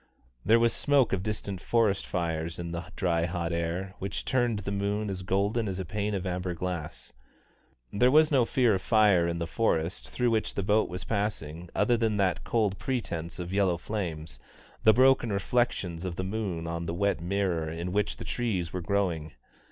There was smoke of distant forest fires in the dry hot air, which turned the moon as golden as a pane of amber glass. There was no fear of fire in the forest through which the boat was passing other than that cold pretence of yellow flames, the broken reflections of the moon on the wet mirror in which the trees were growing.